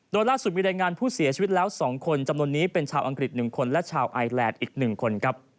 โดยล่าสุดมีรายงานผู้เสียชีวิตแล้ว๒คนจำนวนนี้เป็นชาวอังกฤษ๑คนและชาวไอแลนด์อีก๑คนครับ